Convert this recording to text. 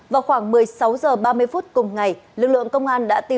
vào khoảng một mươi sáu h ba mươi phút cùng ngày lực lượng công an đã tìm thấy đối tượng